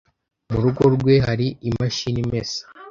Mu rugo rwe hari imashini imesa?